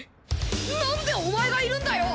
なんでお前がいるんだよ！